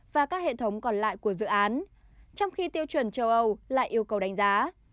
và các hệ thống còn lại của dự án trong khi tiêu chuẩn châu âu lại yêu cầu đánh giá